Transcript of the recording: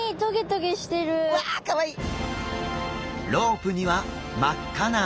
かわいい！